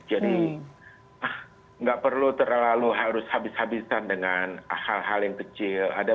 jadi tidak perlu terlalu harus habis habisan dengan hal hal yang kecil